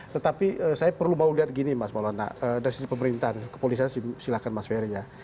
tetapi saya perlu mau lihat gini mas maulana dari sisi pemerintahan kepolisian silahkan mas ferry ya